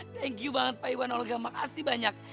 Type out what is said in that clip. thank you banget pak iwan alga makasih banyak